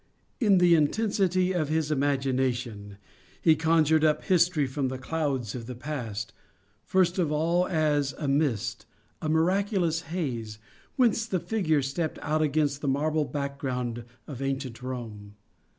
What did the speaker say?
In the intensity of his imagination, he conjured up history from the clouds of the past, first of all as a mist, a miraculous haze, whence the figures stepped out against the marble background of ancient Rome.